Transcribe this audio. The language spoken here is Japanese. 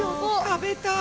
食べたい！